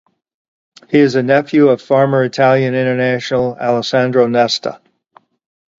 He is the nephew of former Italian international Alessandro Nesta.